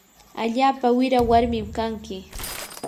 allaapa wira warmin kanki.